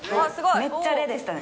めっちゃレでしたね